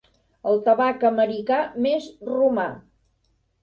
El tabac americà més romà.